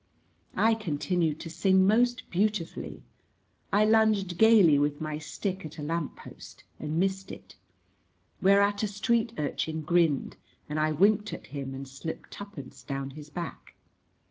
I continued to sing most beautifully. I lunged gayly with my stick at a lamp post and missed it, whereat a street urchin grinned, and I winked at him and slipped twopence down his back.